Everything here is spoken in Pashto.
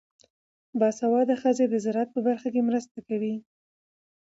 باسواده ښځې د زراعت په برخه کې مرسته کوي.